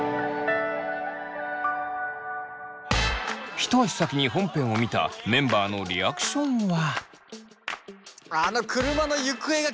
一足先に本編を見たメンバーのリアクションは。